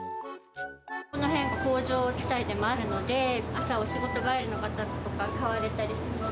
この辺、工場地帯でもあるので、朝、お仕事帰りの方とか、買われたりするので。